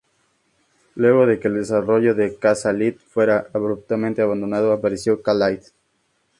Luego de que el desarrollo de Kazaa Lite fuera abruptamente abandonado, apareció K-Lite.